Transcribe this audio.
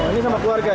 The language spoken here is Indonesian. ini sama keluarga ya